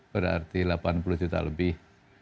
berarti delapan puluh juta lebih